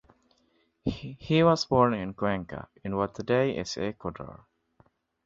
He was born in Cuenca in what today is Ecuador.